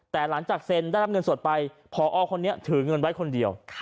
แต่หลังจากเซ็นได้รับเงินสดไปพอคนนี้ถือเงินไว้คนเดียว